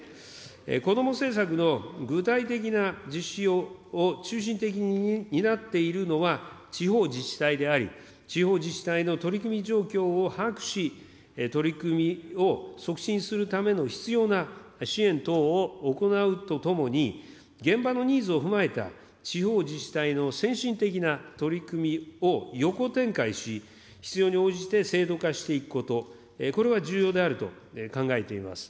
こども政策の具体的な実施を中心的に担っているのは地方自治体であり、地方自治体の取り組み状況を把握し、取り組みを促進するための必要な支援等を行うとともに、現場のニーズを踏まえた地方自治体の先進的な取り組みを横展開し、必要に応じて制度化していくこと、これは重要であると考えています。